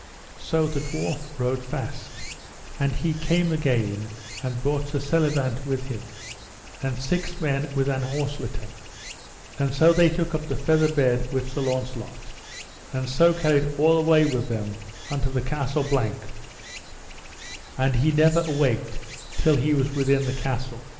So the dwarf rode fast, and he came again and brought Sir Selivant with him, and six men with an horse litter; and so they took up the feather bed with Sir Launcelot, and so carried all away with them unto the Castle Blank, and he never awaked till he was within the castle.